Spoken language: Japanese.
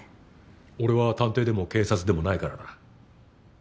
俺は探偵でも警察でもないからな。